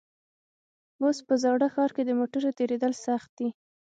اوس په زاړه ښار کې د موټرو تېرېدل سخت دي.